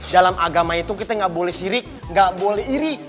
dalam agama itu kita nggak boleh sirik nggak boleh iri